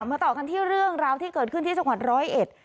ต่อกันที่เรื่องราวที่เกิดขึ้นที่จังหวัดร้อยเอ็ด